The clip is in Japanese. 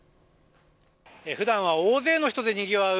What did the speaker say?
普段は大勢の人でにぎわう